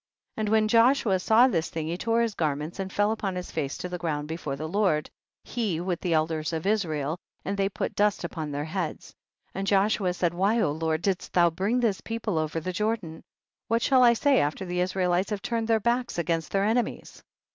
29. And when Joshua saw this thing, he tore his garments and fell upon his face to the ground before the Lord, he, with the elders of Is rael, and they put dust upon their heads, 30. And Joshua said, why Lord didst thou bring this people over the Jordan 1 what shall I say after the Israelites have turned their backs against their enemies